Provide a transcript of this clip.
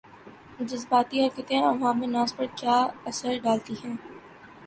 جذباتی حرکتیں عوام الناس پر کیا اثرڈالتی ہیں